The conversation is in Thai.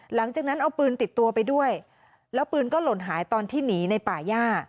หลังจากนั้นเอาปืนติดตัวไปด้วยแล้วปืนก็หล่นหายตอนที่หนีในป่าย่า